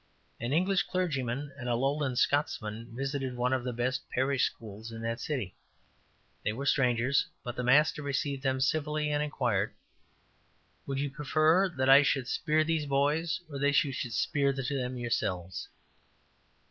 An English clergyman and a Lowland Scotsman visited one of the best parish schools in that city. They were strangers, but the master received them civilly, and inquired: ``Would you prefer that I should speer these boys, or that you should speer them yourselves?''